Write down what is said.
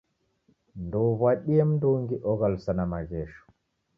Ndouw'adie mndungi oghalusana maghesho.